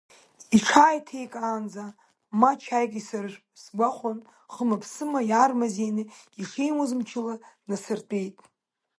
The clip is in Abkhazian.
Иҽааиҭеикаанӡа, ма чаик исыржәп сгәахәын, хыма-ԥсыма иаармазеины ишимуаз мчыла днасыртәеит.